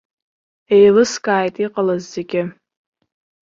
Еилыскааит иҟалаз зегьы.